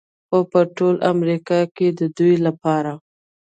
خو په ټول امریکا کې د دوی لپاره